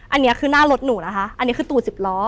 อันนี้คือหน้ารถหนูนะคะอันนี้คือตู่สิบล้อ